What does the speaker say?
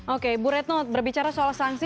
oke bu retno berbicara soal sanksi